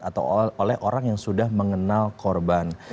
atau oleh orang yang sudah mengenal korban